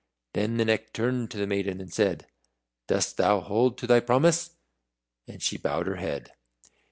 Then the Neck turned to the maiden and said, "Dost thou hold to thy promise?" And she bowed her head.